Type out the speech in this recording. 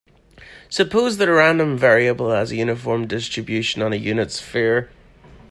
Suppose that a random variable has a uniform distribution on a unit sphere.